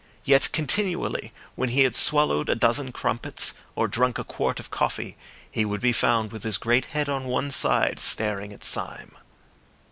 Yet continually, when he had swallowed a dozen crumpets or drunk a quart of coffee, he would be found with his great head on one side staring at Syme.